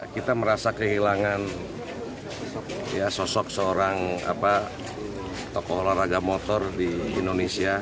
kita merasa kehilangan sosok seorang tokoh olahraga motor di indonesia